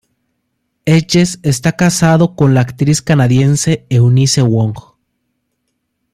Hedges está casado con la actriz canadiense Eunice Wong.